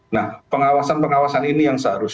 nah pengawasan pengawasan ini yang seharusnya